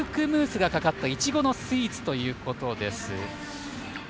北海道産のミルクムースがかかったいちごのスイーツということです。